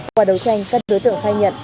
qua đấu tranh các đối tượng phai nhận